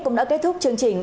cũng đã kết thúc chương trình